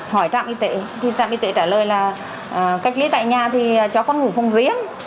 hỏi trạm y tế thì trạm y tế trả lời là cách ly tại nhà thì cho con ngủ phòng viếng